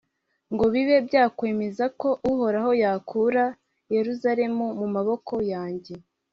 ngo bibe byakwemeza ko Uhoraho yakura Yeruzalemu mu maboko yanjye ?»